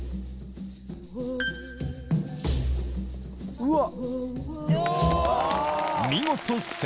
うわっ！